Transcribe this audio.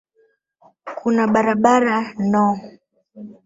Kuna barabara no.